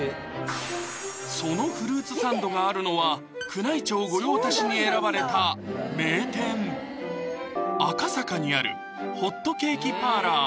そのフルーツサンドがあるのは宮内庁御用達に選ばれた名店赤坂にあるホットケーキパーラー